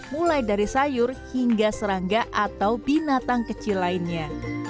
mulai dari sayur hingga serangga atau binatang kecil lainnya